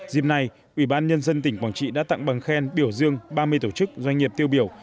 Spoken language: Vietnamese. dịp này ủy ban nhân dân tỉnh quảng trị đã tặng bằng khen biểu dương ba mươi tổ chức doanh nghiệp tiêu biểu